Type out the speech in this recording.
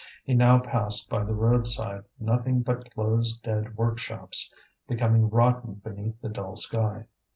He now passed by the roadside nothing but closed dead workshops, becoming rotten beneath the dull sky.